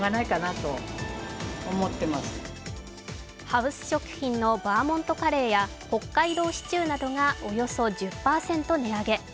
ハウス食品のバーモントカレーや北海道シチューなどがおよそ１０％値上げ。